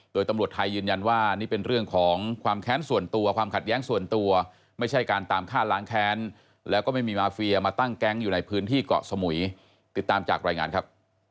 โดยตำรวจไทยยืนยันว่านี่เป็นเรื่องของความแค้นส่วนตัวความขัดแย้งส่วนตัวไม่ใช่การตามฆ่าล้างแค้นแล้วก็ไม่มีมาเฟียมาตั้งแก๊งอยู่ในพื้นที่เกาะสมุยติดตามจากรายงานครับ